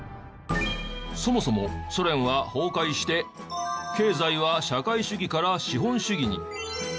そもそもソ連は崩壊して経済は社会主義から資本主義に。